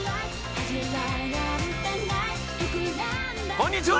こんにちは。